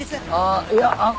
あいやあっ。